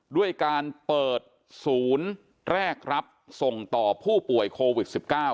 ด้วยการเปิดศูนย์แรกรับส่งต่อผู้ป่วยโควิด๑๙